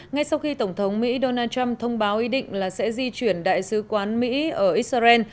ngay sau khi tổng thống mỹ donald trump thông báo ý định là sẽ di chuyển đại sứ quán mỹ ở israel